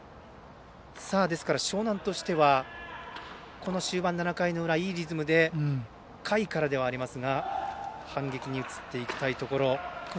ですから樟南としては終盤、７回の裏いいリズムで下位からではありますが反撃に移っていきたいところ。